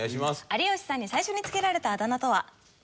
有吉さんに最初につけられたあだ名とは？